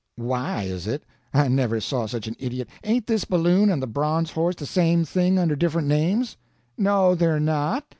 "Why is it? I never saw such an idiot. Ain't this balloon and the bronze horse the same thing under different names?" "No, they're not.